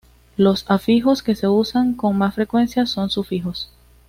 Los afijos que se usan con más frecuencia son sufijos.